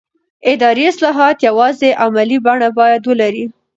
اداري اصلاحات یوازې عملي بڼه باید ولري